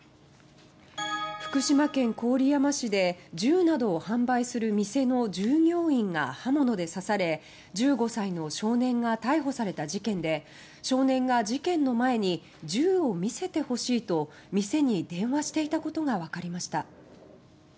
福島県郡山市で銃などを販売する店の従業員が刃物で刺され１５歳の少年が逮捕された事件で少年が事件の前に「銃を見せてほしい」と店に電話していたことがわかりました。